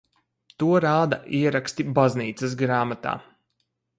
To rāda ieraksti baznīcas grāmatā.